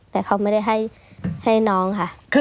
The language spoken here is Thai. แต่เขาไม่ได้ให้น้องค่ะ